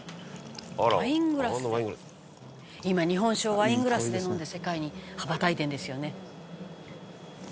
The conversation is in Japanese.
「ワイングラス」「今日本酒をワイングラスで飲んで世界に羽ばたいてるんですよね」